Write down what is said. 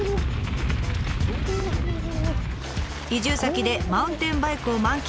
移住先でマウンテンバイクを満喫。